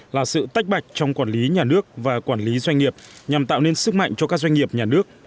là sự tách bạch trong quản lý nhà nước và quản lý doanh nghiệp nhằm tạo nên sức mạnh cho các doanh nghiệp nhà nước